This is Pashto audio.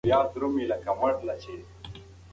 بښنه کول یوه داسې ډالۍ ده چې هر څوک یې نه شي ورکولی.